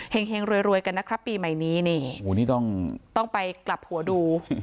แห่งรวยรวยกันนะครับปีใหม่นี้นี่โอ้โหนี่ต้องต้องไปกลับหัวดู